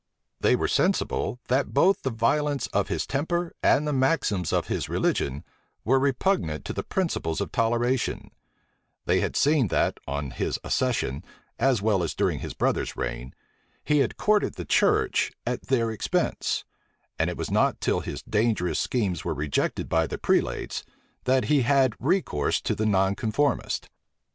They were sensible, that both the violence of his temper, and the maxims of his religion, were repugnant to the principles of toleration They had seen that, on his accession, as well as during his brother's reign, he had courted the church at their expense; and it was not till his dangerous schemes were rejected by the prelates, that he had recourse to the nonconformists.